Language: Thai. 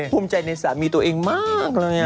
ภูมิใจในสามีตัวเองมากเลย